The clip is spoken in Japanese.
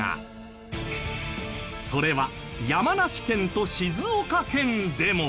それは山梨県と静岡県でも。